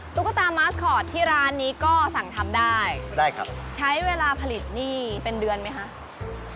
ตุ๊กตามัสคอร์ดที่ร้านนี้ก็สั่งทำได้ใช้เวลาผลิตหนี้เป็นเดือนไหมคะได้ครับ